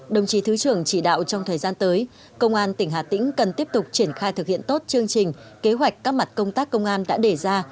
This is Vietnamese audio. đồng chí thứ trưởng chỉ đạo trong thời gian tới công an tỉnh hà tĩnh cần tiếp tục triển khai thực hiện tốt chương trình kế hoạch các mặt công tác công an đã để ra